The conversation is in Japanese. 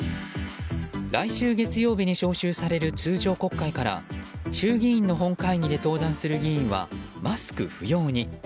来週月曜日に召集される通常国会から衆議院の本会議で登壇する議員はマスク不要に。